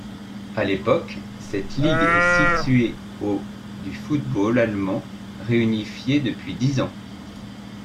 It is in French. À l’époque cette ligue est située au du football allemand réunifié depuis dix ans.